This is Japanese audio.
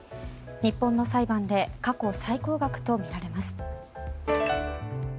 日本の裁判で過去最高額とみられます。